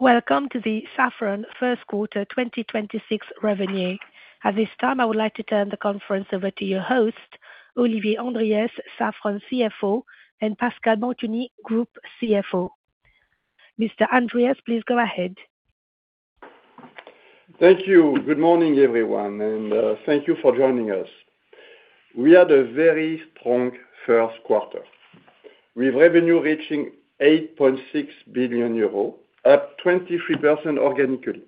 Welcome to the Safran First Quarter 2026 Revenue. At this time, I would like to turn the conference over to your host, Olivier Andriès, Safran CEO, and Pascal Bantegnie, Group CFO. Mr. Andriès, please go ahead. Thank you. Good morning, everyone, and thank you for joining us. We had a very strong first quarter with revenue reaching 8.6 billion euros, up 23% organically.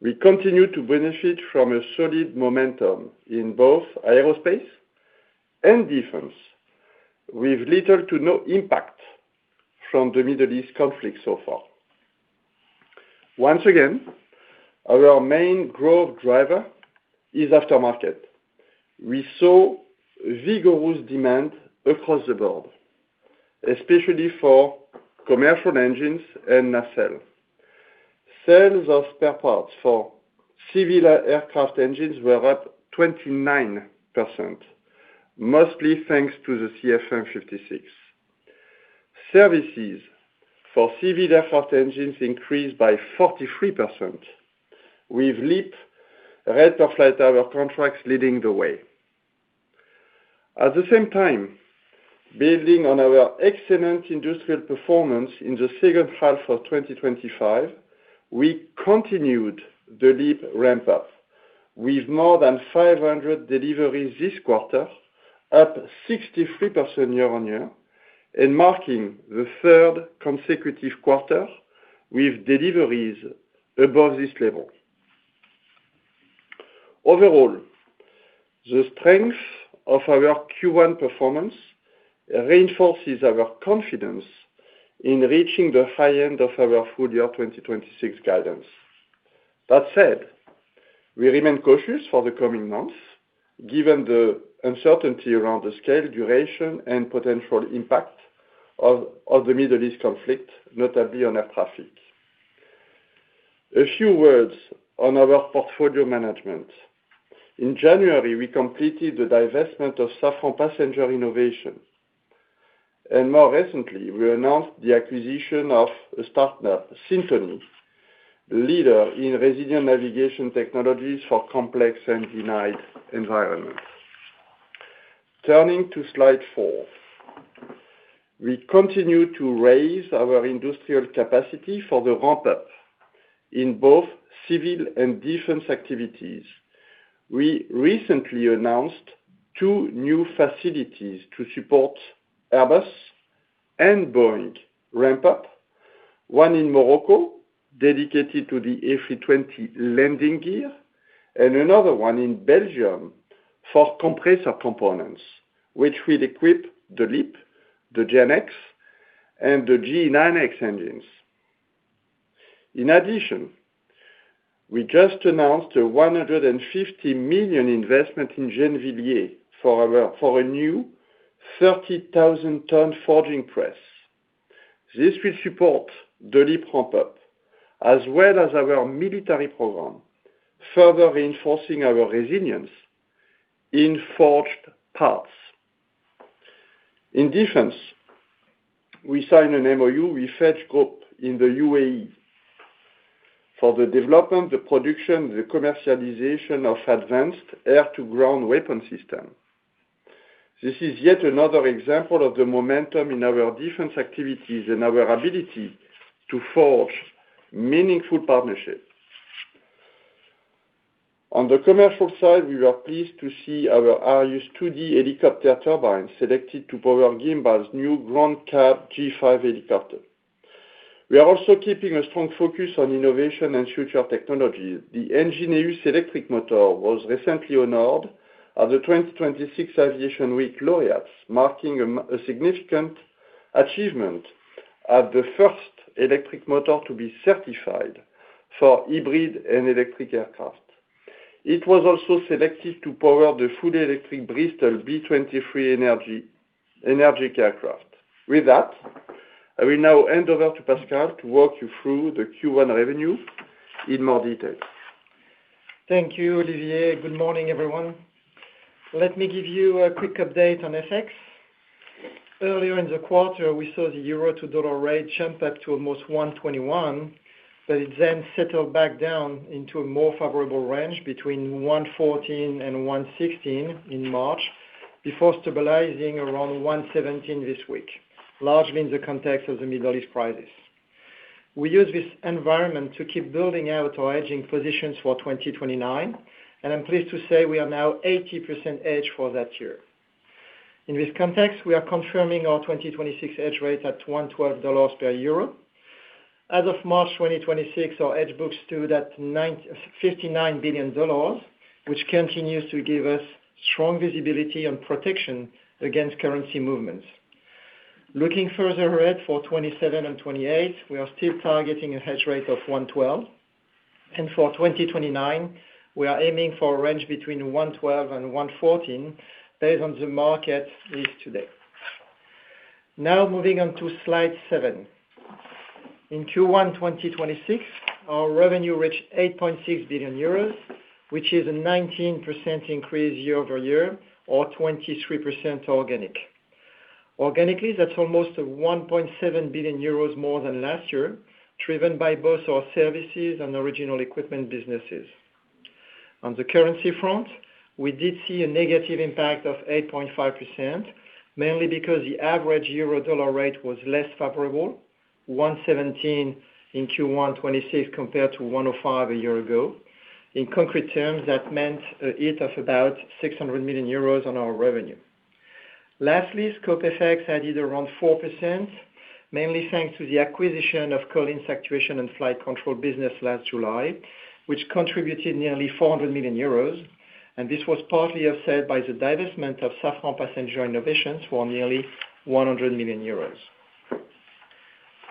We continue to benefit from a solid momentum in both aerospace and defense, with little to no impact from the Middle East conflict so far. Once again, our main growth driver is aftermarket. We saw vigorous demand across the board, especially for commercial engines and nacelle. Sales of spare parts for civil aircraft engines were up 29%, mostly thanks to the CFM56. Services for civil aircraft engines increased by 43%, with LEAP rate of flight hour contracts leading the way. At the same time, building on our excellent industrial performance in the second half of 2025, we continued the LEAP ramp up with more than 500 deliveries this quarter, up 63% year-on-year and marking the third consecutive quarter with deliveries above this level. Overall, the strength of our Q1 performance reinforces our confidence in reaching the high end of our full year 2026 guidance. That said, we remain cautious for the coming months given the uncertainty around the scale, duration and potential impact of the Middle East conflict, notably on air traffic. A few words on our portfolio management. In January, we completed the divestment of Safran Passenger Innovations, and more recently we announced the acquisition of a partner, Syntony, leader in resilient navigation technologies for complex and denied environments. Turning to slide four. We continue to raise our industrial capacity for the ramp up in both civil and defense activities. We recently announced two new facilities to support Airbus and Boeing ramp up, one in Morocco dedicated to the A320 landing gear and another one in Belgium for compressor components, which will equip the LEAP, the GEnx, and the GE9X engines. In addition, we just announced a 150 million investment in Gennevilliers for a new 30,000-ton forging press. This will support the LEAP ramp up as well as our military program, further reinforcing our resilience in forged parts. In defense, we signed an MoU with EDGE Group in the UAE for the development, the production, the commercialization of advanced air to ground weapon system. This is yet another example of the momentum in our defense activities and our ability to forge meaningful partnerships. On the commercial side, we are pleased to see our Arrius 2D helicopter turbine selected to power Guimbal's new GrandCabri G5 helicopter. We are also keeping a strong focus on innovation and future technologies. The ENGINeUS electric motor was recently honored at the 2026 Aviation Week Laureates, marking a significant achievement of the first electric motor to be certified for hybrid and electric aircraft. It was also selected to power the fully electric Bristell B23 Energic aircraft. With that, I will now hand over to Pascal to walk you through the Q1 revenue in more detail. Thank you, Olivier. Good morning, everyone. Let me give you a quick update on FX. Earlier in the quarter, we saw the euro to dollar rate jump up to almost 121, but it then settled back down into a more favorable range between 114-116 in March before stabilizing around 117 this week, largely in the context of the Middle East crisis. We use this environment to keep building out our hedging positions for 2029, and I'm pleased to say we are now 80% hedged for that year. In this context, we are confirming our 2026 hedge rate at $112 per euro. As of March 2026, our hedge books stood at $59 billion, which continues to give us strong visibility and protection against currency movements. Looking further ahead for 2027 and 2028, we are still targeting a hedge rate of 112. For 2029, we are aiming for a range between 112 and 114 based on the market rate today. Now moving on to slide seven. In Q1 2026, our revenue reached 8.6 billion euros, which is a 19% increase year-over-year or 23% organically. Organically, that's almost 1.7 billion euros more than last year, driven by both our services and original equipment businesses. On the currency front, we did see a negative impact of 8.5%, mainly because the average euro-dollar rate was less favorable, 117 in Q1 2026 compared to 105 a year ago. In concrete terms, that meant a hit of about 600 million euros on our revenue. Lastly, scope effects added around 4%, mainly thanks to the acquisition of Collins' actuation and flight control business last July, which contributed nearly 400 million euros, and this was partly offset by the divestment of Safran Passenger Innovations for nearly 100 million euros.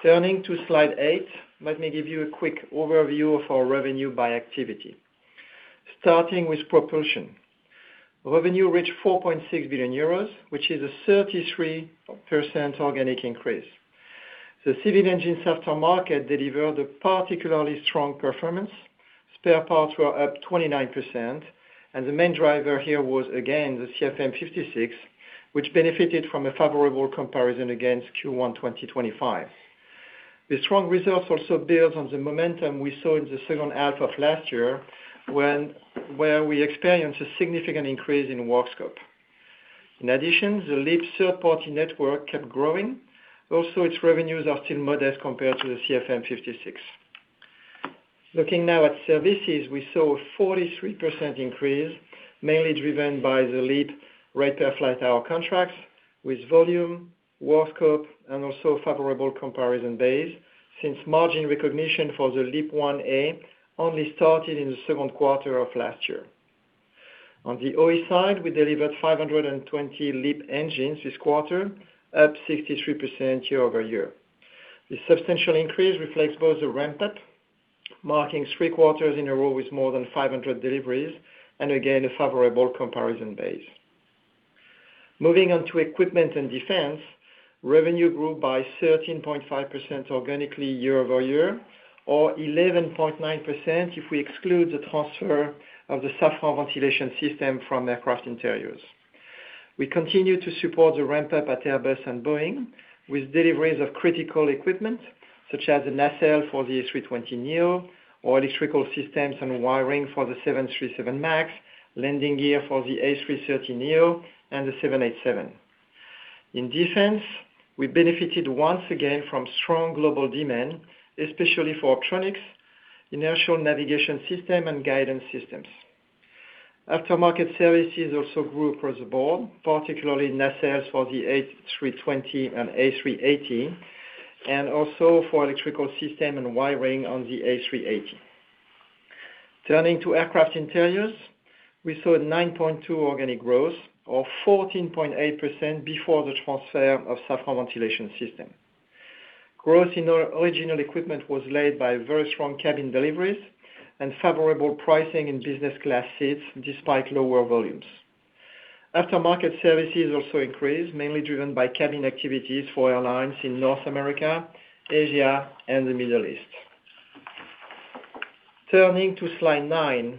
Turning to slide eight. Let me give you a quick overview of our revenue by activity. Starting with propulsion. Revenue reached 4.6 billion euros, which is a 33% organic increase. The civil engine aftermarket delivered a particularly strong performance. Spare parts were up 29% and the main driver here was again, the CFM56, which benefited from a favorable comparison against Q1 2025. The strong results also build on the momentum we saw in the second half of last year, where we experienced a significant increase in work scope. In addition, the LEAP third-party network kept growing. Also, its revenues are still modest compared to the CFM56. Looking now at services, we saw a 43% increase, mainly driven by the LEAP rate per flight hour contracts with volume, work scope, and also favorable comparison basis since margin recognition for the LEAP-1A only started in the second quarter of last year. On the OE side, we delivered 520 LEAP engines this quarter, up 63% year-over-year. This substantial increase reflects both a ramp-up, marking three quarters in a row with more than 500 deliveries and again, a favorable comparison base. Moving on to equipment and defense. Revenue grew by 13.5% organically year-over-year, or 11.9% if we exclude the transfer of the Safran Ventilation Systems from aircraft interiors. We continue to support the ramp-up at Airbus and Boeing with deliveries of critical equipment such as the nacelle for the A320neo, all electrical systems and wiring for the 737 MAX, landing gear for the A330neo and the 787. In defense, we benefited once again from strong global demand, especially for electronics, inertial navigation system, and guidance systems. Aftermarket services also grew across the board, particularly nacelles for the A320 and A380, and also for electrical system and wiring on the A380. Turning to aircraft interiors, we saw 9.2% organic growth or 14.8% before the transfer of Safran Ventilation Systems. Growth in original equipment was led by very strong cabin deliveries and favorable pricing in business class seats despite lower volumes. Aftermarket services also increased, mainly driven by cabin activities for airlines in North America, Asia, and the Middle East. Turning to slide nine.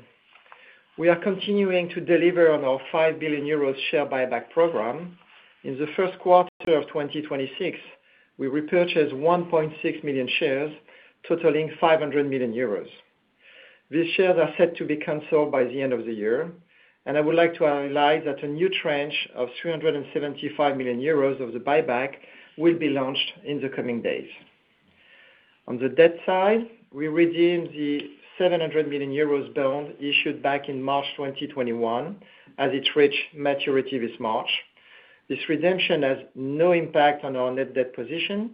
We are continuing to deliver on our 5 billion euros share buyback program. In the first quarter of 2026, we repurchased 1.6 million shares totaling 500 million euros. These shares are set to be canceled by the end of the year, and I would like to highlight that a new tranche of 375 million euros of the buyback will be launched in the coming days. On the debt side, we redeemed the 700 million euros bond issued back in March 2021 as it reached maturity this March. This redemption has no impact on our net debt position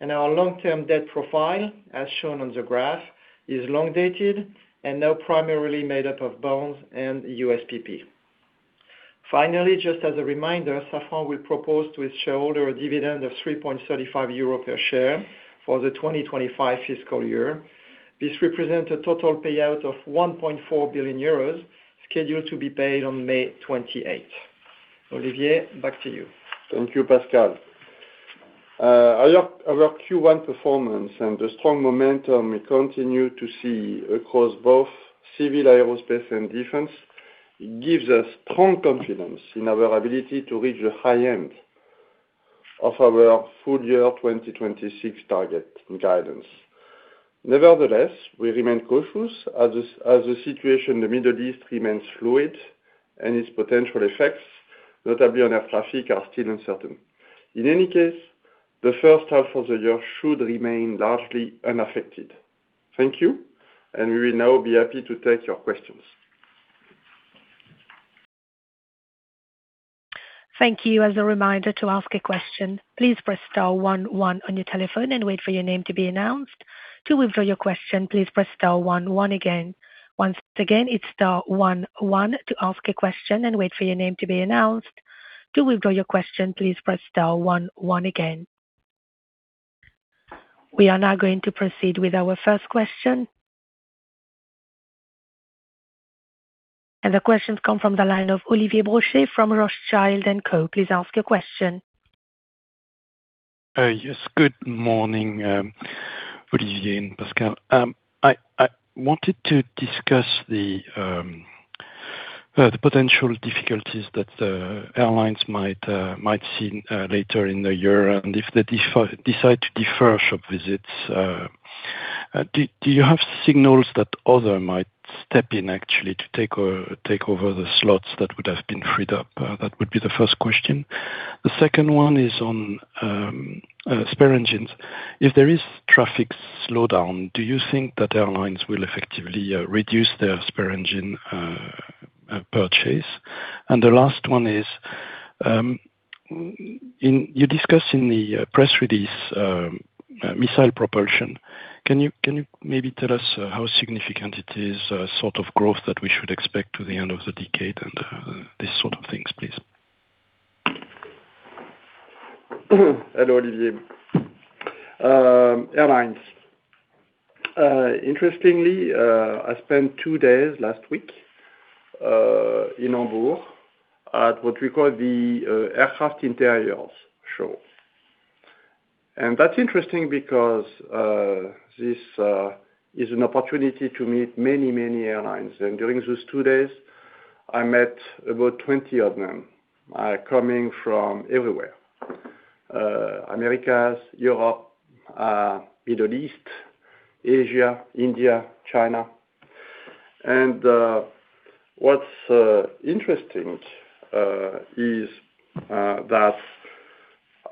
and our long-term debt profile, as shown on the graph, is long-dated and now primarily made up of bonds and USPP. Finally, just as a reminder, Safran will propose to its shareholder a dividend of 3.35 euro per share for the 2025 fiscal year. This represents a total payout of 1.4 billion euros scheduled to be paid on May 28th. Olivier, back to you. Thank you, Pascal. Our Q1 performance and the strong momentum we continue to see across both civil aerospace and defense gives us strong confidence in our ability to reach the high end of our full year 2026 target and guidance. Nevertheless, we remain cautious as the situation in the Middle East remains fluid and its potential effects, notably on air traffic, are still uncertain. In any case, the first half of the year should remain largely unaffected. Thank you, and we will now be happy to take your questions. Thank you. As a reminder to ask a question, please press star one one on your telephone and wait for your name to be announced. To withdraw your question, please press star one one again. Once again, it's star one one to ask a question and wait for your name to be announced. To withdraw your question, please press star one one again. We are now going to proceed with our first question. The question's come from the line of Olivier Brochet from Rothschild & Co. Please ask your question. Yes. Good morning, Olivier and Pascal. I wanted to discuss the potential difficulties that the airlines might see later in the year and if they decide to defer shop visits. Do you have signals that others might step in actually to take over the slots that would have been freed up? That would be the first question. The second one is on spare engines. If there is traffic slowdown, do you think that airlines will effectively reduce their spare engine purchase? The last one is, you discussed in the press release, missile propulsion. Can you maybe tell us how significant it is, sort of growth that we should expect to the end of the decade and these sort of things, please? Hello Olivier. Airlines. Interestingly, I spent two days last week in Hamburg at what we call the Aircraft Interiors Expo. That's interesting because this is an opportunity to meet many, many airlines. During those two days, I met about 20 of them, coming from everywhere, Americas, Europe, Middle East, Asia, India, China. What's interesting is that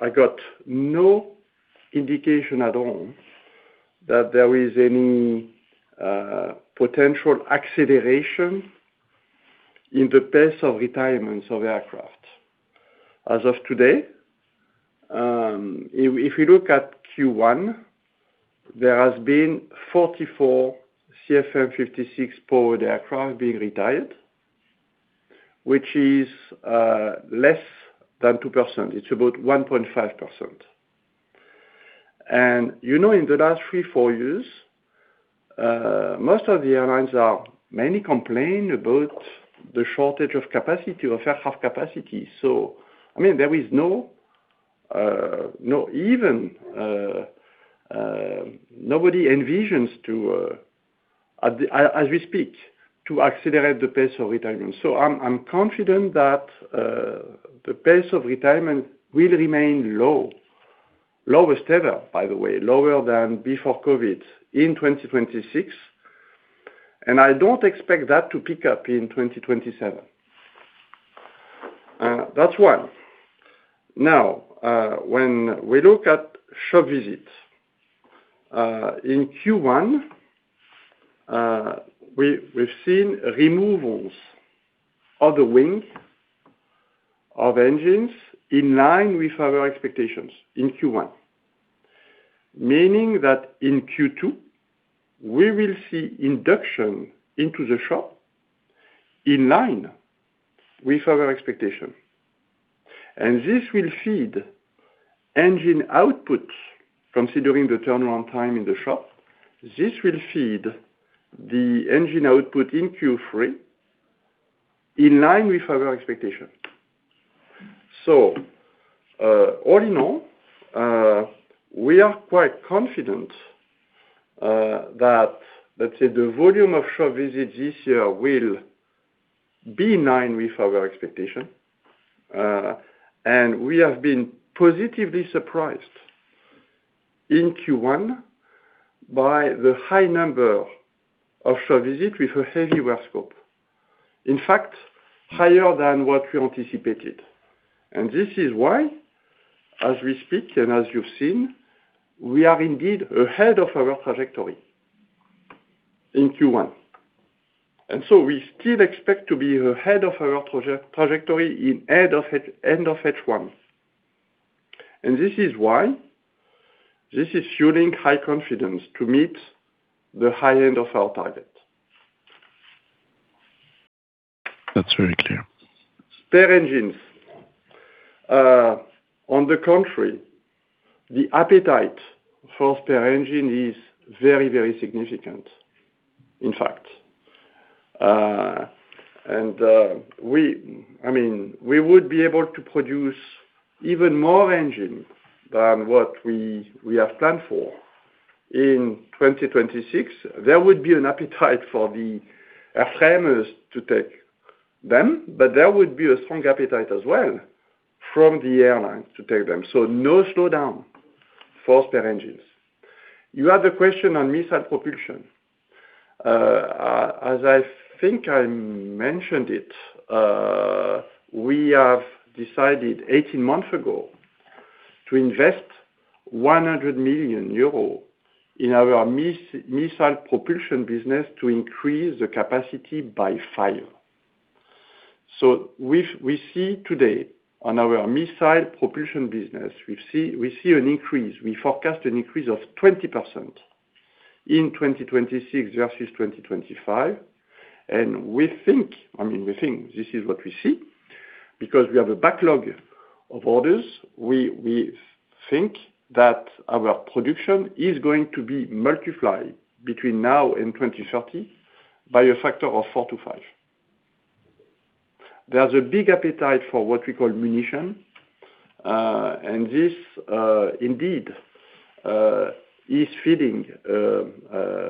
I got no indication at all that there is any potential acceleration in the pace of retirements of aircraft. As of today, if we look at Q1, there has been 44 CFM56 powered aircraft being retired, which is less than 2%. It's about 1.5%. In the last three, four years, most of the airlines are mainly complaining about the shortage of capacity, of aircraft capacity. There is no. Even nobody envisions, as we speak, to accelerate the pace of retirement. I'm confident that the pace of retirement will remain low. Lowest ever, by the way, lower than before COVID in 2026, and I don't expect that to pick up in 2027. That's one. Now, when we look at shop visits. In Q1, we've seen removals of the wing of engines in line with our expectations in Q1, meaning that in Q2, we will see induction into the shop in line with our expectation. This will feed engine output, considering the turnaround time in the shop. This will feed the engine output in Q3 in line with our expectation. All in all, we are quite confident that, let's say the volume of shop visits this year will be in line with our expectation. We have been positively surprised in Q1 by the high number of shop visits with a heavy work scope, in fact, higher than what we anticipated. This is why, as we speak, and as you've seen, we are indeed ahead of our trajectory in Q1. We still expect to be ahead of our trajectory at the end of H1. This is why this is fueling high confidence to meet the high end of our target. That's very clear. Spare engines. On the contrary, the appetite for spare engine is very, very significant, in fact. We would be able to produce even more engines than what we have planned for in 2026. There would be an appetite for the airframers to take them, but there would be a strong appetite as well from the airlines to take them. No slowdown for spare engines. You had a question on missile propulsion. As I think I mentioned it, we have decided 18 months ago to invest 100 million euros in our missile propulsion business to increase the capacity by five. We see today on our missile propulsion business, we see an increase. We forecast an increase of 20% in 2026 versus 2025. We think, this is what we see, because we have a backlog of orders. We think that our production is going to be multiplied between now and 2030 by a factor of four to five. There's a big appetite for what we call munitions. This indeed is feeding a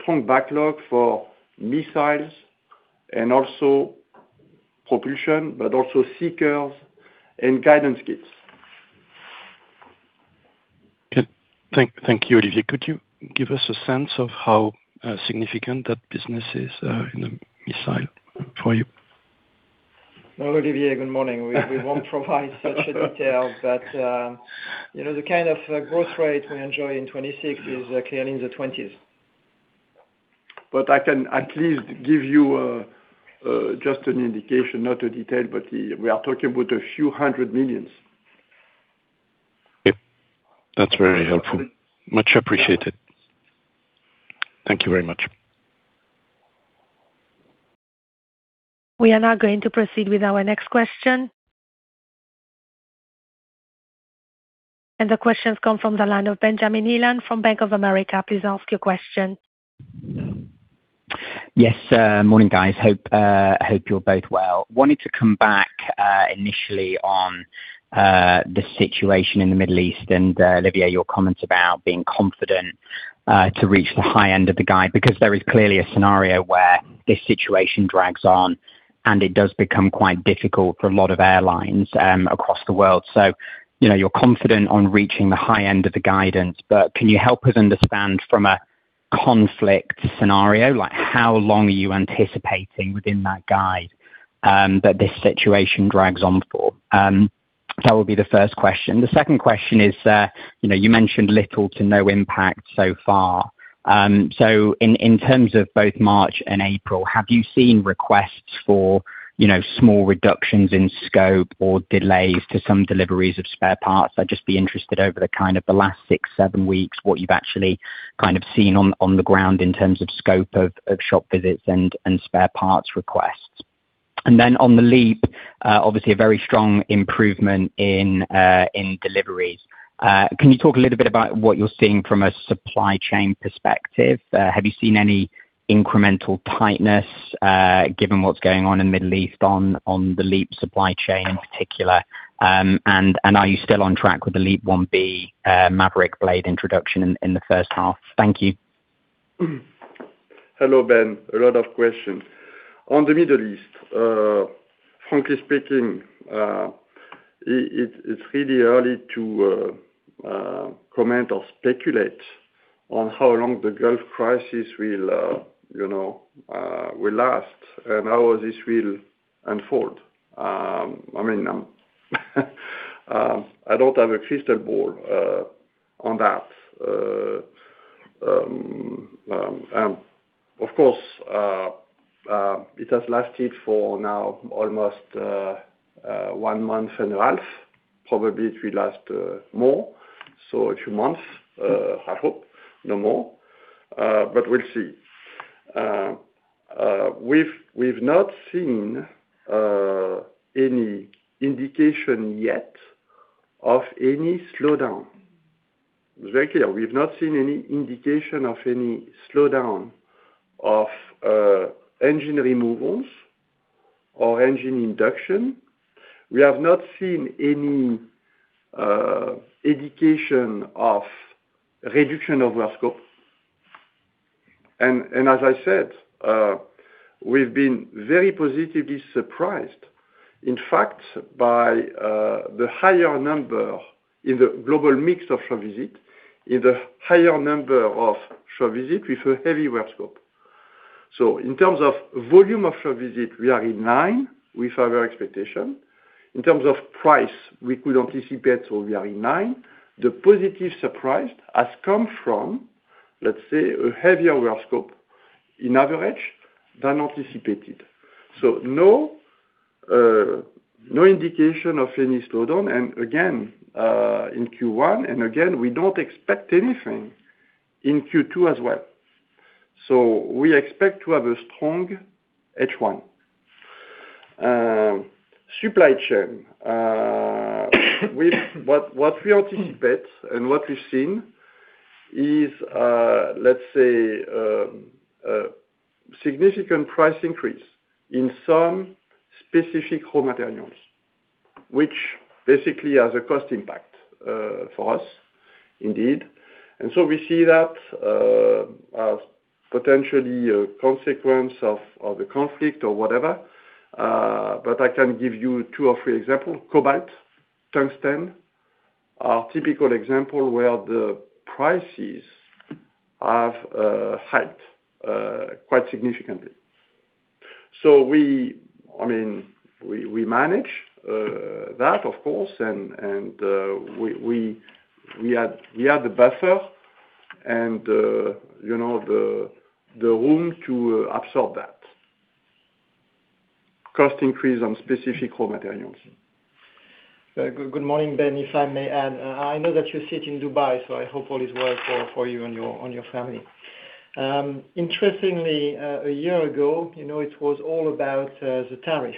strong backlog for missiles and also propulsion, but also seekers and guidance kits. Okay. Thank you, Olivier. Could you give us a sense of how significant that business is in a missile for you? No, Olivier, good morning. We won't provide such a detail, but the kind of growth rate we enjoy in 2026 is clearly in the 20s%. I can at least give you just an indication, not a detail, but we are talking about a few hundred millions. Okay. That's very helpful. Much appreciated. Thank you very much. We are now going to proceed with our next question. The question's come from the line of Benjamin Heelan from Bank of America. Please ask your question. Yes. Morning, guys. Hope you're both well. I wanted to come back initially on the situation in the Middle East, and Olivier, your comments about being confident to reach the high end of the guide because there is clearly a scenario where this situation drags on, and it does become quite difficult for a lot of airlines across the world. You're confident on reaching the high end of the guidance, but can you help us understand from a conflict scenario, like how long are you anticipating within that guide that this situation drags on for? That will be the first question. The second question is, you mentioned little to no impact so far. In terms of both March and April, have you seen requests for small reductions in scope or delays to some deliveries of spare parts? I'd just be interested in the last six, seven weeks, what you've actually seen on the ground in terms of scope of shop visits and spare parts requests. On the LEAP, obviously a very strong improvement in deliveries. Can you talk a little bit about what you're seeing from a supply chain perspective? Have you seen any incremental tightness, given what's going on in the Middle East on the LEAP supply chain in particular? Are you still on track with the LEAP-1B [MAVERICK] blade introduction in the first half? Thank you. Hello, Ben. A lot of questions. On the Middle East, frankly speaking, it's really early to comment or speculate on how long the Gulf crisis will last and how this will unfold. I mean, I don't have a crystal ball on that. Of course, it has lasted for now almost one month and a half, probably it will last more, so a few months. I hope no more. We'll see. We've not seen any indication yet of any slowdown. It's very clear, we've not seen any indication of any slowdown of engine removals or engine induction. We have not seen any indication of reduction of work scope. As I said, we've been very positively surprised, in fact, by the higher number in the global mix of shop visit, in the higher number of shop visit with a heavy work scope. In terms of volume of shop visit, we are in line with our expectation. In terms of price, we could anticipate, so we are in line. The positive surprise has come from, let's say, a heavier work scope on average than anticipated. No indication of any slowdown. Again, in Q1, and again, we don't expect anything in Q2 as well. We expect to have a strong H1. Supply chain. What we anticipate and what we've seen is, let's say, a significant price increase in some specific raw materials, which basically has a cost impact for us indeed. We see that as potentially a consequence of the conflict or whatever. I can give you two or three example. Cobalt, tungsten are typical example where the prices have hiked quite significantly. We manage that, of course, and we had the buffer and the room to absorb that cost increase on specific raw materials. Good morning, Ben. If I may add, I know that you sit in Dubai, so I hope all is well for you and your family. Interestingly, a year ago, it was all about the tariff.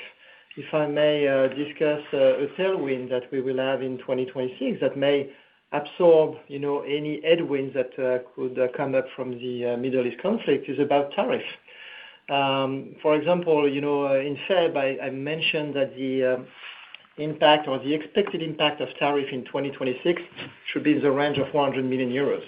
If I may discuss a tailwind that we will have in 2026 that may absorb any headwinds that could come up from the Middle East conflict, is about tariff. For example, in February I mentioned that the expected impact of tariff in 2026 should be in the range of 400 million euros.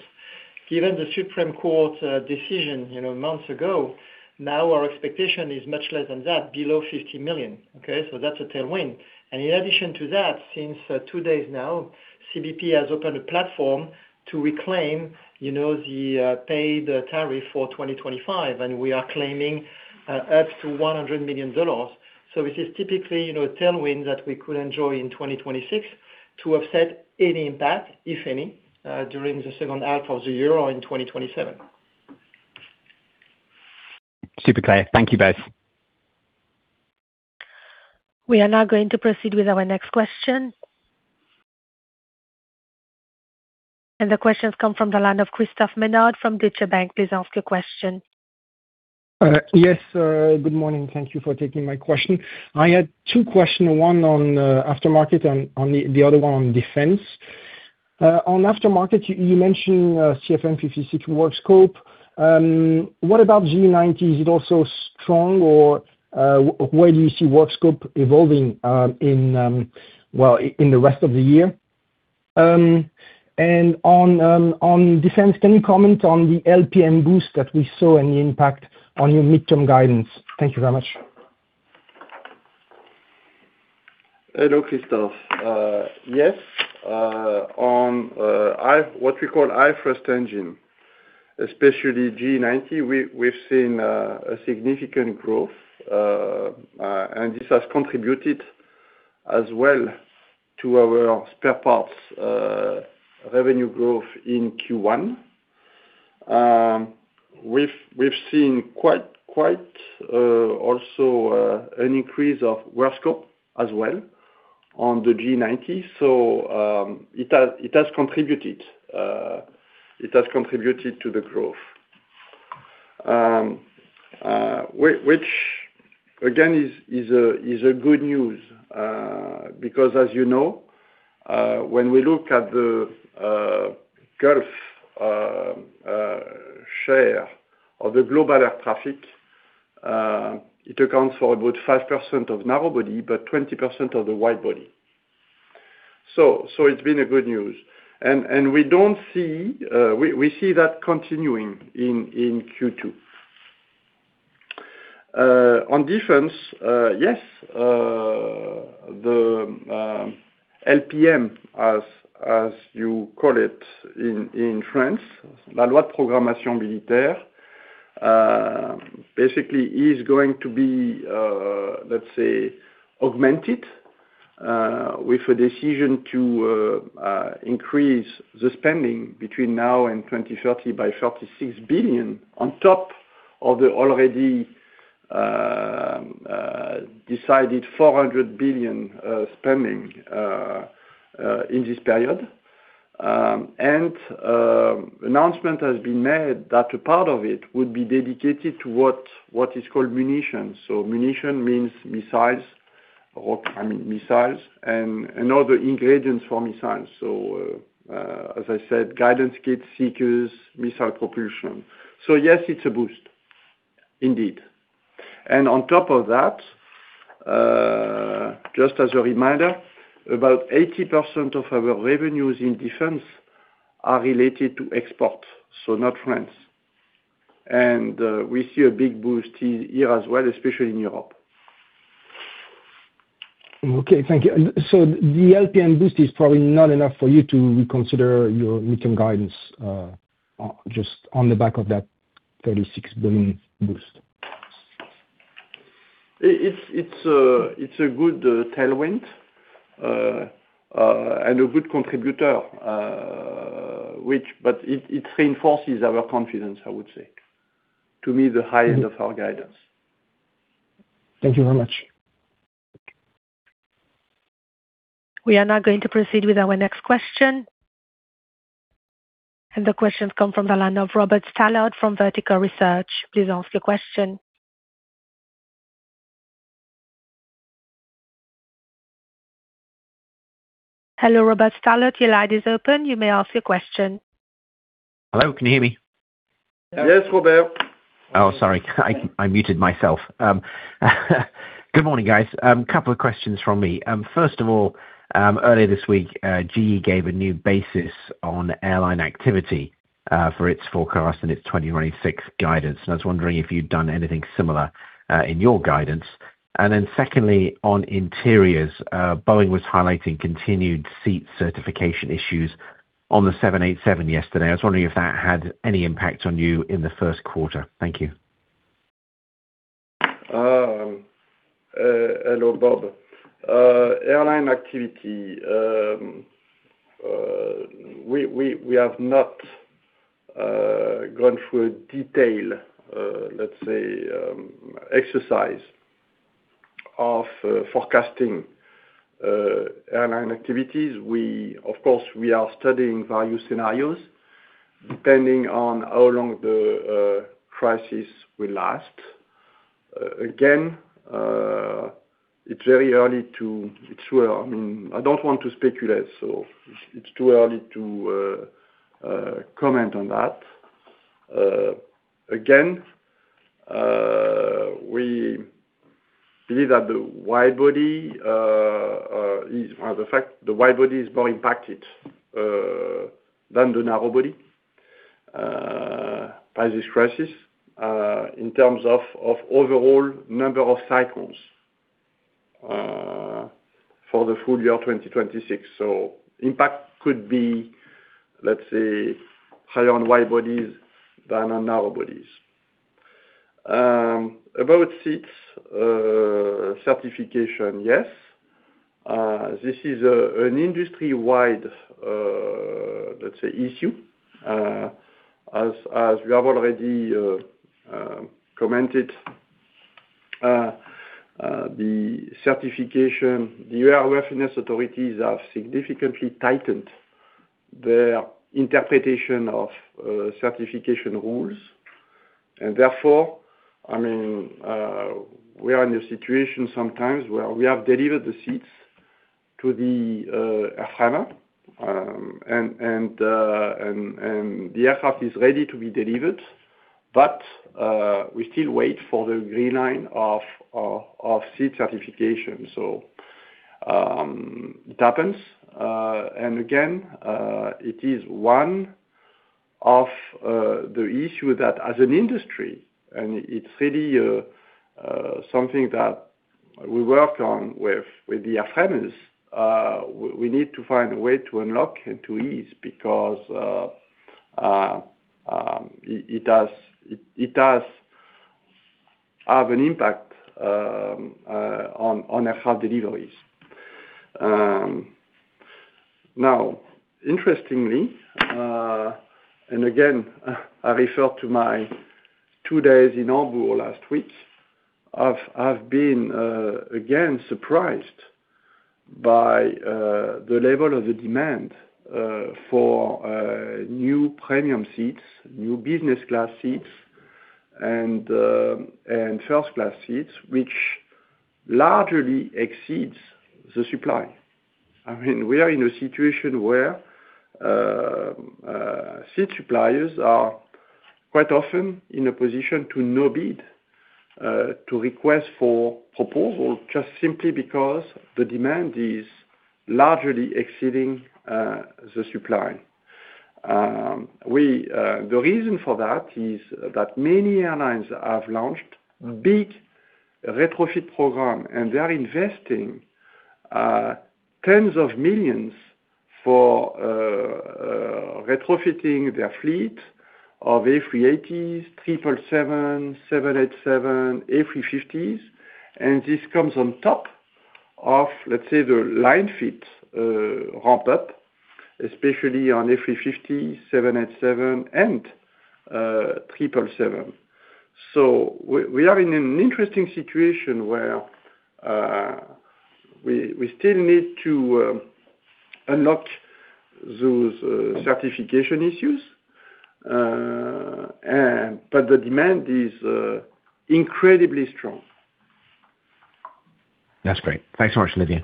Given the Supreme Court's decision months ago, now our expectation is much less than that, below 50 million. Okay? That's a tailwind. In addition to that, since two days now, CBP has opened a platform to reclaim the paid tariff for 2025, and we are claiming up to $100 million. This is typically a tailwind that we could enjoy in 2026 to offset any impact, if any, during the second half of the year or in 2027. Super clear. Thank you both. We are now going to proceed with our next question. The question's come from the line of Christophe Menard from Deutsche Bank. Please ask your question. Yes. Good morning. Thank you for taking my question. I had two questions, one on aftermarket and the other one on defense. On aftermarket, you mentioned CFM56 work scope. What about GE90? Is it also strong, or where do you see work scope evolving in the rest of the year? On defense, can you comment on the LPM boost that we saw and the impact on your midterm guidance? Thank you very much. Hello, Christophe. Yes, on what we call our first-engine, especially GE90, we've seen a significant growth, and this has contributed as well to our spare parts revenue growth in Q1. We've seen quite also an increase of work scope as well on the GE90. It has contributed to the growth, which again is a good news, because as you know, when we look at the Gulf share of the global air traffic, it accounts for about 5% of narrow body, but 20% of the wide body. It's been a good news. We see that continuing in Q2. On defense, yes, the LPM, as you call it, in France, the Loi de Programmation Militaire, basically is going to be, let's say, augmented with a decision to increase the spending between now and 2030 by 36 billion on top of the already decided 400 billion spending in this period. Announcement has been made that a part of it would be dedicated to what is called munitions. Munitions means missiles and other ingredients for missiles. As I said, guidance kits, seekers, missile propulsion. Yes, it's a boost indeed. On top of that, just as a reminder, about 80% of our revenues in defense are related to export, so not France. We see a big boost here as well, especially in Europe. Okay, thank you. The LPM boost is probably not enough for you to reconsider your midterm guidance, just on the back of that 36 billion boost. It's a good tailwind, and a good contributor, but it reinforces our confidence, I would say, to meet the high end of our guidance. Thank you very much. We are now going to proceed with our next question. The question's come from the line of Robert Stallard from Vertical Research. Please ask your question. Hello, Robert Stallard, your line is open. You may ask your question. Hello, can you hear me? Yes, Robert. Oh, sorry. I muted myself. Good morning, guys. Couple of questions from me. First of all, earlier this week GE gave a new basis on airline activity for its forecast and its 2026 guidance, and I was wondering if you'd done anything similar in your guidance. Secondly, on interiors, Boeing was highlighting continued seat certification issues on the 787 yesterday. I was wondering if that had any impact on you in the first quarter. Thank you. Hello, Bob. Airline activity. We have not gone through a detail, let's say, exercise of forecasting airline activities. Of course, we are studying various scenarios depending on how long the crisis will last. Again, it's very early. I don't want to speculate, so it's too early to comment on that. Again, we believe that the wide body is more impacted than the narrow body by this crisis in terms of overall number of cycles for the full year 2026. So impact could be, let's say, higher on wide bodies than on narrow bodies. About seats certification, yes. This is an industry-wide, let's say, issue, as we have already commented. The certification, the airworthiness authorities have significantly tightened their interpretation of certification rules. Therefore, we are in a situation sometimes where we have delivered the seats to the airframe and the aircraft is ready to be delivered. We still wait for the green light of seat certification. It happens, and again, it is one of the issues that as an industry, and it's really something that we work on with the airframers. We need to find a way to unlock and to ease because it does have an impact on aircraft deliveries. Now, interestingly, and again, I refer to my two days in Abu last week. I've been again surprised by the level of the demand for new premium seats, new business class seats and first class seats, which largely exceeds the supply. We are in a situation where seat suppliers are quite often in a position to no bid, to request for proposal just simply because the demand is largely exceeding the supply. The reason for that is that many airlines have launched big retrofit program, and they are investing tens of millions for retrofitting their fleet of A380s, 777, 787, A350s. This comes on top of, let's say, the line fleet ramp-up, especially on A350, 787 and 777. We are in an interesting situation where we still need to unlock those certification issues. The demand is incredibly strong. That's great. Thanks so much, Olivier.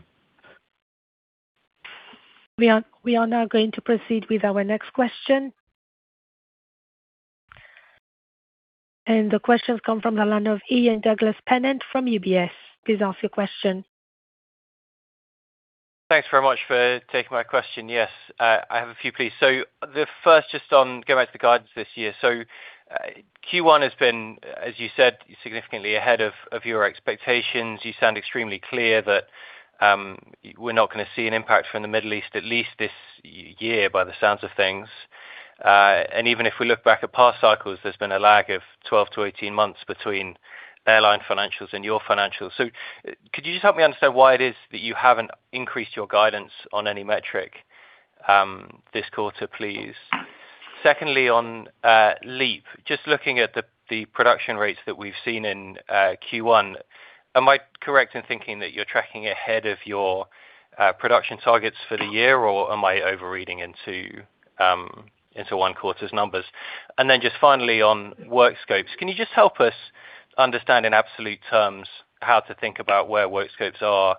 We are now going to proceed with our next question. The question's come from the line of Ian Douglas-Pennant from UBS. Please ask your question. Thanks very much for taking my question. Yes, I have a few, please. The first, just on going back to the guidance this year. Q1 has been, as you said, significantly ahead of your expectations. You sound extremely clear that we're not going to see an impact from the Middle East, at least this year, by the sounds of things. Even if we look back at past cycles, there's been a lag of 12 to 18 months between airline financials and your financials. Could you just help me understand why it is that you haven't increased your guidance on any metric this quarter, please? Secondly, on LEAP, just looking at the production rates that we've seen in Q1, am I correct in thinking that you're tracking ahead of your production targets for the year, or am I overreading into one quarter's numbers? Then just finally on workscopes, can you just help us understand in absolute terms how to think about where workscopes are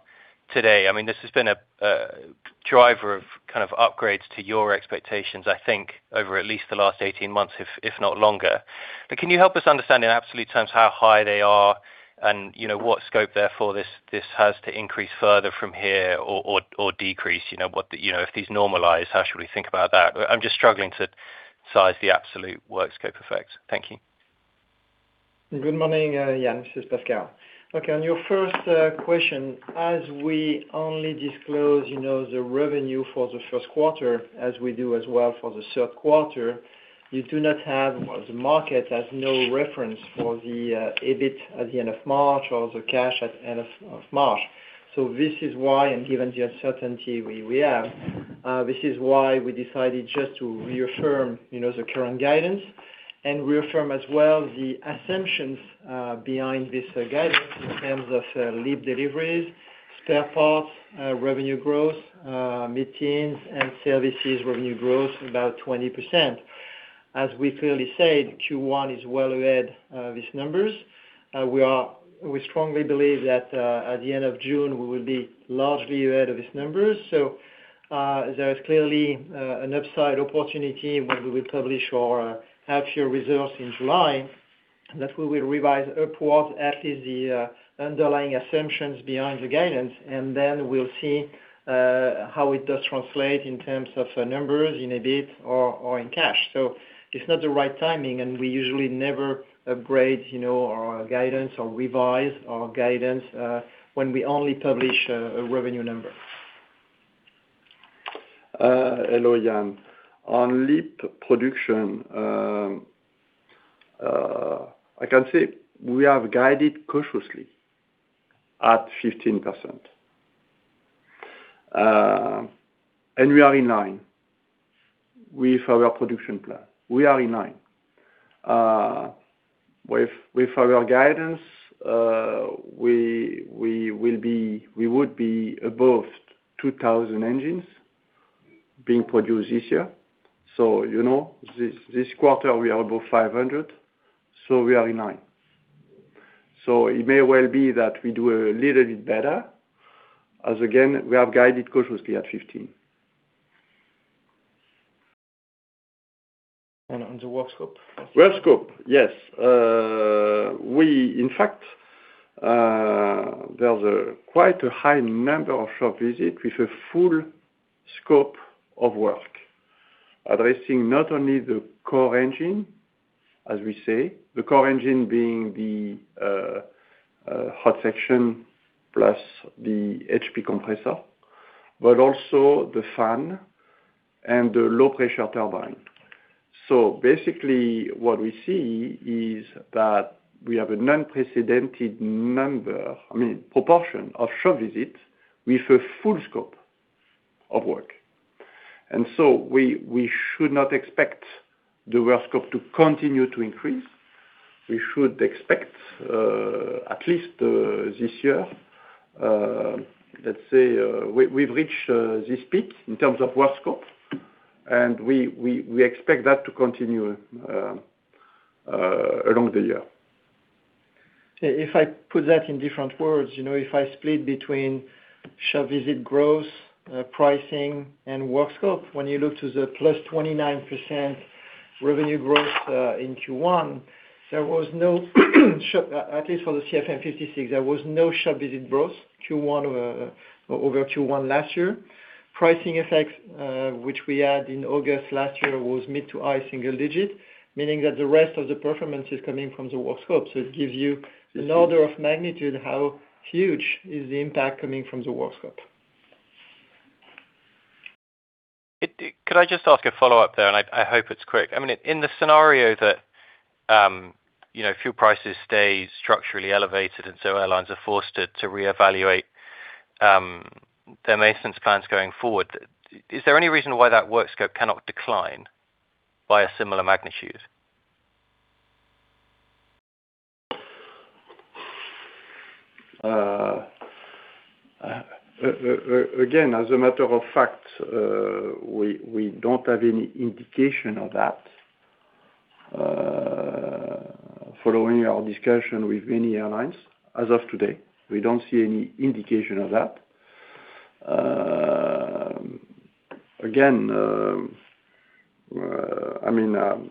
today? This has been a driver of kind of upgrades to your expectations, I think, over at least the last 18 months, if not longer. Can you help us understand in absolute terms how high they are and what scope therefore this has to increase further from here or decrease? If these normalize, how should we think about that? I'm just struggling to size the absolute workscope effect. Thank you. Good morning, Ian. This is Pascal. Okay, on your first question, as we only disclose the revenue for the first quarter as we do as well for the third quarter, the market has no reference for the EBIT at the end of March or the cash at end of March. This is why, and given the uncertainty we have, this is why we decided just to reaffirm the current guidance and reaffirm as well the assumptions behind this guidance in terms of LEAP deliveries, spare parts, revenue growth mid-teens and services revenue growth about 20%. As we clearly said, Q1 is well ahead of these numbers. We strongly believe that at the end of June we will be largely ahead of these numbers. There is clearly an upside opportunity when we will publish our half year results in July, that we will revise upwards at least the underlying assumptions behind the guidance, and then we'll see how it does translate in terms of numbers in EBIT or in cash. It's not the right timing, and we usually never upgrade our guidance or revise our guidance, when we only publish a revenue number. Hello, Ian. On LEAP production, I can say we have guided cautiously at 15%. We are in line with our production plan. We are in line. With our guidance, we would be above 2,000 engines being produced this year. This quarter we are above 500, so we are in line. It may well be that we do a little bit better, as again, we have guided cautiously at 15%. On the work scope. Work scope. Yes. In fact, there's quite a high number of shop visits with a full scope of work, addressing not only the core engine, as we say, the core engine being the hot section plus the HP compressor, but also the fan and the low-pressure turbine. Basically what we see is that we have an unprecedented proportion of shop visits with a full scope of work. We should not expect the work scope to continue to increase. We should expect, at least this year, let's say, we've reached this peak in terms of work scope, and we expect that to continue along the year. If I put that in different words, if I split between shop visit growth, pricing, and work scope, when you look to the +29% revenue growth in Q1, at least for the CFM56, there was no shop visit growth over Q1 last year. Pricing effects, which we had in August last year, was mid to high single digit, meaning that the rest of the performance is coming from the work scope. It gives you an order of magnitude how huge is the impact coming from the work scope. Could I just ask a follow-up there, and I hope it's quick. In the scenario that fuel prices stay structurally elevated and so airlines are forced to reevaluate their maintenance plans going forward, is there any reason why that work scope cannot decline by a similar magnitude? Again, as a matter of fact, we don't have any indication of that following our discussion with any airlines as of today. We don't see any indication of that. Again,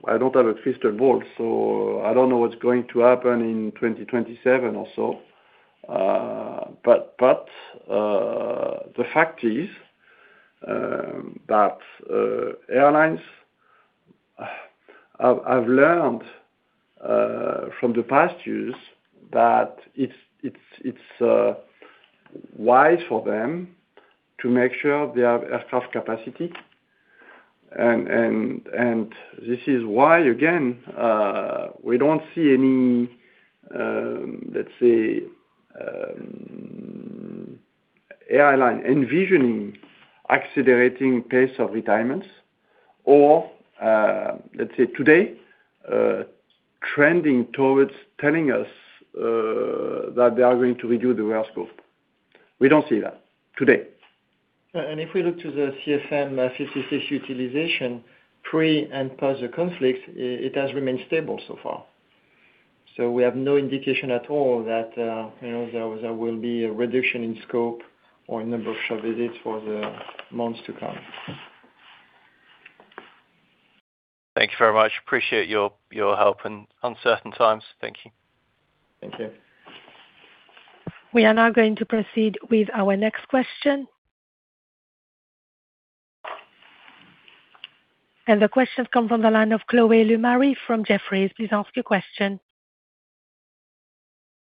I don't have a crystal ball, so I don't know what's going to happen in 2027 or so. But the fact is that airlines have learned from the past years that it's wise for them to make sure they have enough capacity. This is why, again, we don't see any, let's say, airline envisioning accelerating pace of retirements or, let's say today, trending towards telling us that they are going to reduce the work scope. We don't see that today. If we look to the CFM56 utilization pre and post the conflict, it has remained stable so far. We have no indication at all that there will be a reduction in scope or in number of shop visits for the months to come. Thank you very much. Appreciate your help in uncertain times. Thank you. Thank you. We are now going to proceed with our next question. The question comes from the line of Chloé Lemarié from Jefferies. Please ask your question.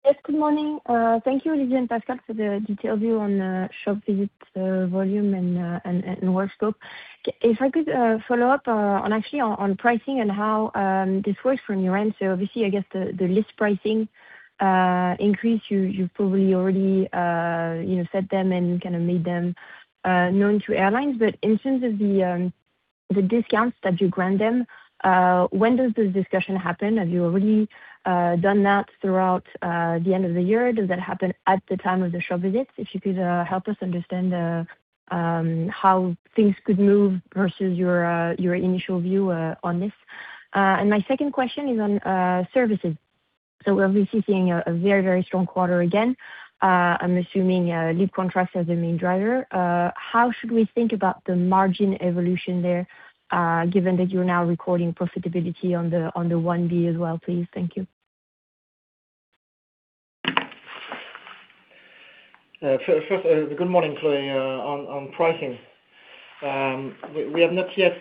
Yes, good morning. Thank you, Olivier and Pascal, for the detailed view on shop visits volume and work scope. If I could follow up on, actually, on pricing and how this works from your end. Obviously, I guess the list pricing increase, you probably already set them and kind of made them known to airlines. In terms of the discounts that you grant them, when does this discussion happen? Have you already done that throughout the end of the year? Does that happen at the time of the shop visits? If you could help us understand how things could move versus your initial view on this. My second question is on services. We're obviously seeing a very strong quarter again. I'm assuming LEAP contracts as the main driver. How should we think about the margin evolution there, given that you're now recording profitability on the 1B as well, please? Thank you. First, good morning, Chloé. On pricing, we have not yet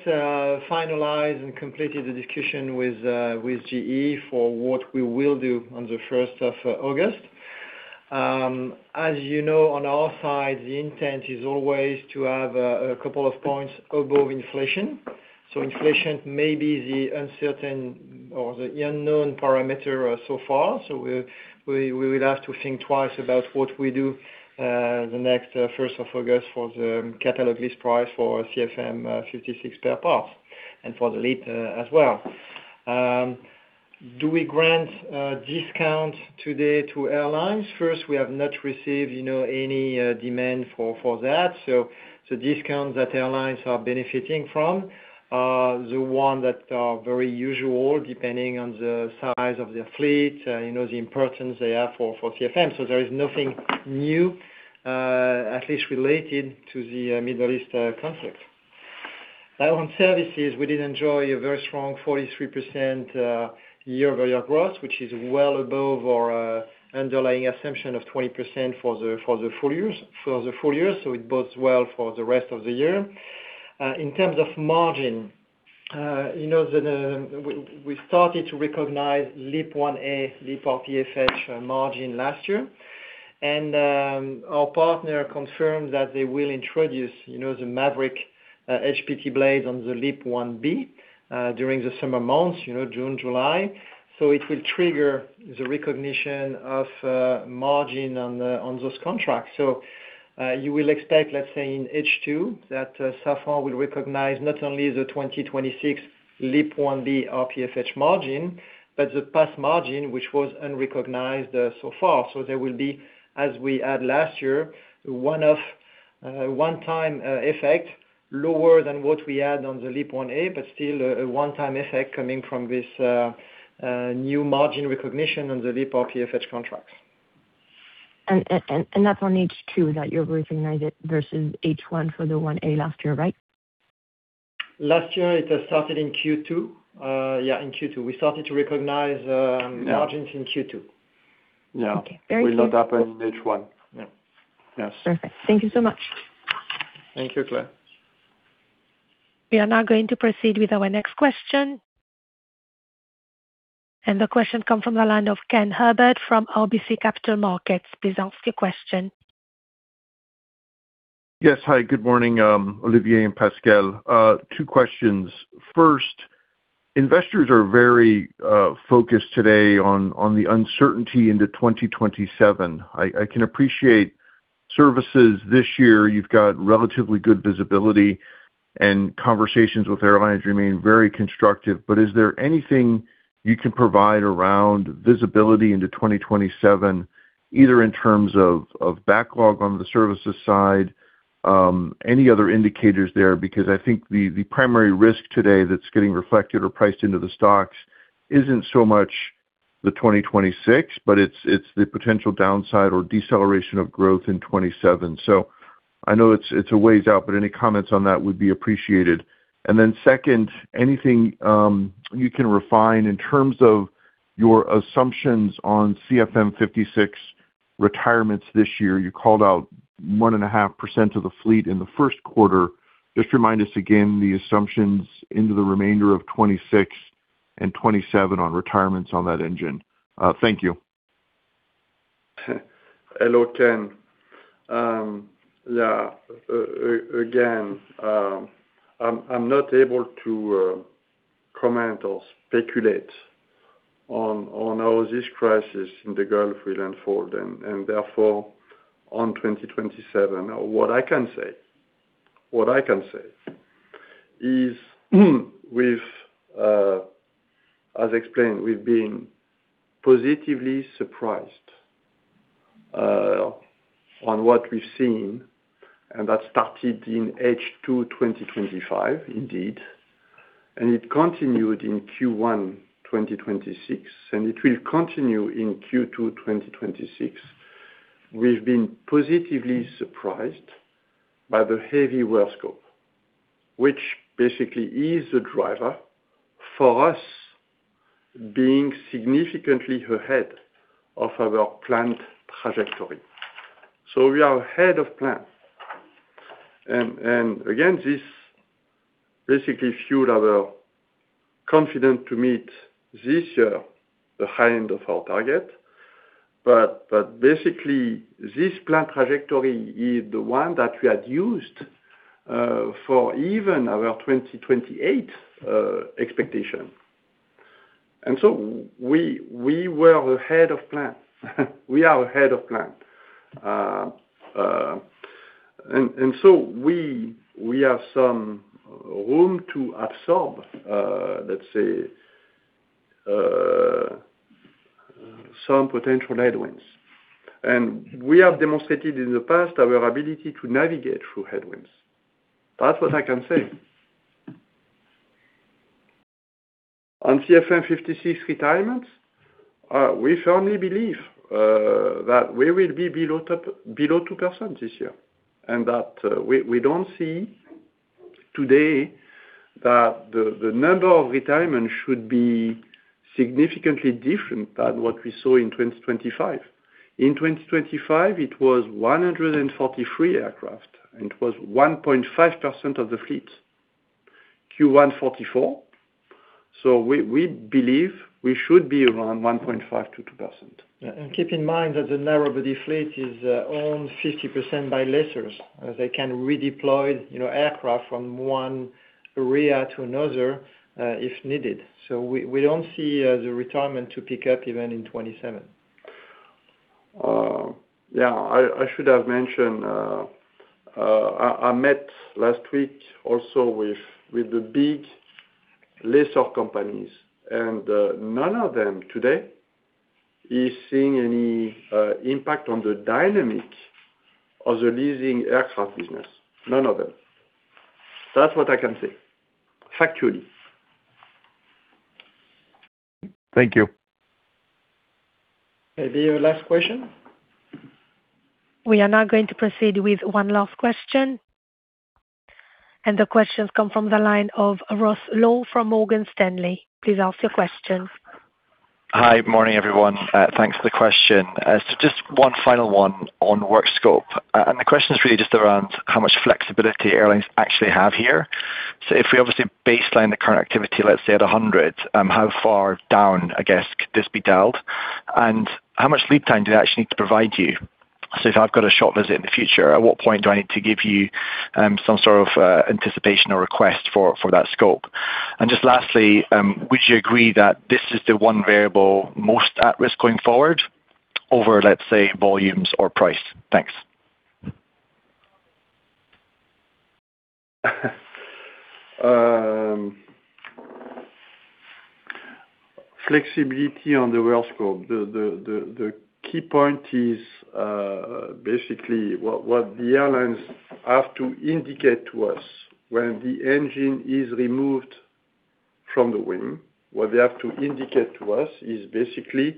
finalized and completed the discussion with GE for what we will do on the 1st of August. As you know, on our side, the intent is always to have a couple of points above inflation. Inflation may be the uncertain or the unknown parameter so far. We will have to think twice about what we do the next 1st of August for the catalog list price for CFM56 spare parts and for the LEAP as well. Do we grant a discount today to airlines? First, we have not received any demand for that. Discounts that airlines are benefiting from are the ones that are very usual depending on the size of their fleet, the importance they have for CFM. There is nothing new, at least related to the Middle East conflict. Now on services, we did enjoy a very strong 43% year-over-year growth, which is well above our underlying assumption of 20% for the full year. It bodes well for the rest of the year. In terms of margin, we started to recognize LEAP-1A, LEAP RPFH margin last year, and our partner confirmed that they will introduce the [MAVERICK] HPT blade on the LEAP-1B during the summer months, June, July. It will trigger the recognition of margin on those contracts. You will expect, let's say, in H2, that Safran will recognize not only the 2026 LEAP-1B RPFH margin, but the past margin, which was unrecognized so far. There will be, as we had last year, one-time effect lower than what we had on the LEAP-1A, but still a one-time effect coming from this new margin recognition on the LEAP RPFH contracts. That's on H2 that you're recognizing versus H1 for the 1A last year, right? Last year it has started in Q2. Yeah, in Q2. We started to recognize margins in Q2. Okay. Very clear. We load up in H1. Yeah. Yes. Perfect. Thank you so much. Thank you, Chloé. We are now going to proceed with our next question. The question come from the line of Kenneth Herbert from RBC Capital Markets. Please ask your question. Yes. Hi, good morning, Olivier and Pascal. Two questions. First, investors are very focused today on the uncertainty into 2027. I can appreciate services this year. You've got relatively good visibility and conversations with airlines remain very constructive. Is there anything you can provide around visibility into 2027, either in terms of backlog on the services side, any other indicators there? Because I think the primary risk today that's getting reflected or priced into the stocks isn't so much the 2026, but it's the potential downside or deceleration of growth in 2027. I know it's a ways out, but any comments on that would be appreciated. Second, anything you can refine in terms of your assumptions on CFM56 retirements this year? You called out 1.5% of the fleet in the first quarter. Just remind us again the assumptions into the remainder of 2026 and 2027 on retirements on that engine? Thank you. Hello, Ken. Yeah. Again, I'm not able to comment or speculate on how this crisis in the Gulf will unfold, and therefore on 2027. What I can say is as explained, we've been positively surprised on what we've seen. That started in H2 2025 indeed, and it continued in Q1 2026, and it will continue in Q2 2026. We've been positively surprised by the heavy work scope, which basically is a driver for us being significantly ahead of our planned trajectory. We are ahead of plan. Again, this basically fueled our confidence to meet this year the high end of our target. Basically, this plan trajectory is the one that we had used for even our 2028 expectation. We were ahead of plan. We are ahead of plan. We have some room to absorb, let's say, some potential headwinds. We have demonstrated in the past our ability to navigate through headwinds. That's what I can say. On CFM56 retirements, we firmly believe that we will be below 2% this year, and that we don't see today that the number of retirements should be significantly different than what we saw in 2025. In 2025, it was 143 aircraft, and it was 1.5% of the fleet. Q144. We believe we should be around 1.5%-2%. Yeah. Keep in mind that the narrow body fleet is owned 50% by lessors. They can redeploy aircraft from one area to another if needed. We don't see the retirement to pick up even in 2027. Yeah. I should have mentioned, I met last week also with the big lessor companies, and none of them today is seeing any impact on the dynamic of the leasing aircraft business. None of them. That's what I can say. Factually. Thank you. Maybe a last question? We are now going to proceed with one last question, and the question comes from the line of Ross Law from Morgan Stanley. Please ask your question. Hi, morning, everyone. Thanks for the question. Just one final one on work scope, and the question is really just around how much flexibility airlines actually have here. If we obviously baseline the current activity, let's say at 100, how far down, I guess, could this be dialed? And how much lead time do they actually need to provide you? If I've got a shop visit in the future, at what point do I need to give you some sort of anticipation or request for that scope? And just lastly, would you agree that this is the one variable most at risk going forward over, let's say, volumes or price? Thanks. Flexibility on the work scope. The key point is, basically what the airlines have to indicate to us when the engine is removed from the wing, what they have to indicate to us is basically,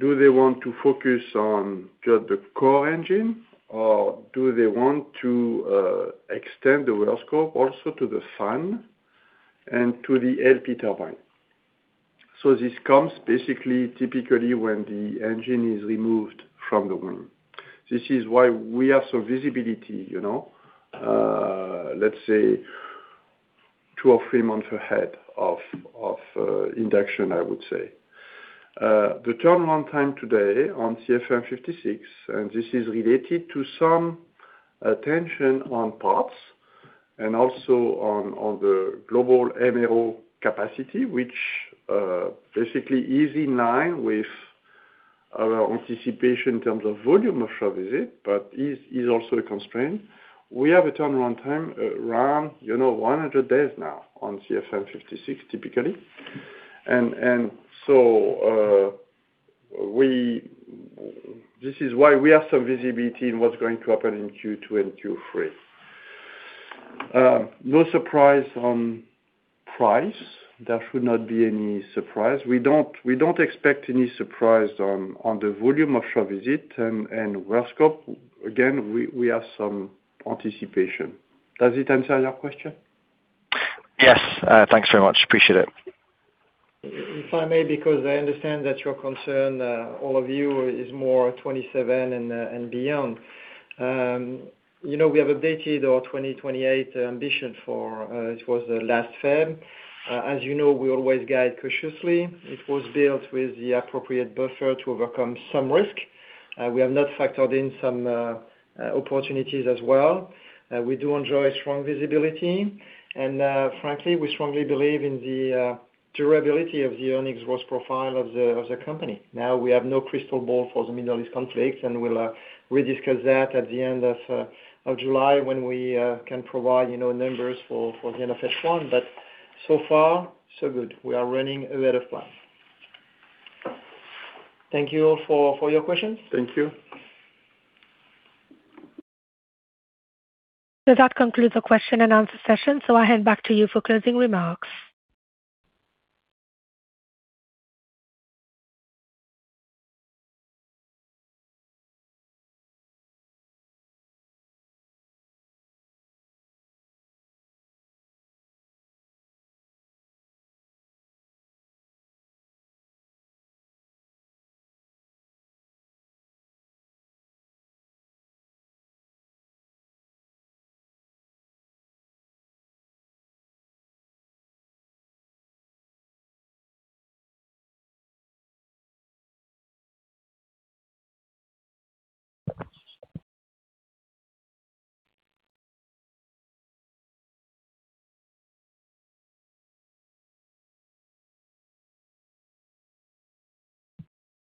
do they want to focus on just the core engine or do they want to extend the work scope also to the fan and to the LP turbine. This comes basically typically when the engine is removed from the wing. This is why we have some visibility, let's say two or three months ahead of induction, I would say. The turnaround time today on CFM56, and this is related to some attention on parts and also on the global MRO capacity, which basically is in line with our anticipation in terms of volume of shop visit, but is also a constraint. We have a turnaround time around 100 days now on CFM56, typically. This is why we have some visibility in what's going to happen in Q2 and Q3. No surprise on price. There should not be any surprise. We don't expect any surprise on the volume of shop visit and work scope. Again, we have some anticipation. Does it answer your question? Yes. Thanks very much. Appreciate it. If I may, because I understand that your concern, all of you, is more 2027 and beyond. We have updated our 2028 ambition for it was last February. As you know, we always guide cautiously. It was built with the appropriate buffer to overcome some risk. We have not factored in some opportunities as well. We do enjoy strong visibility and, frankly, we strongly believe in the durability of the earnings growth profile of the company. Now, we have no crystal ball for the Middle East conflict, and we'll re-discuss that at the end of July when we can provide numbers for the end of H1. But so far, so good. We are running ahead of plan. Thank you all for your questions. Thank you. That concludes the question and answer session. I hand back to you for closing remarks.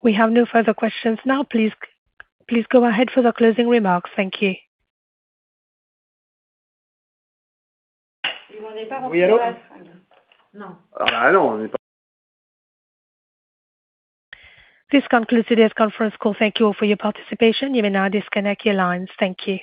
We have no further questions now. Please go ahead for the closing remarks. Thank you. This concludes today's conference call. Thank you all for your participation. You may now disconnect your lines. Thank you.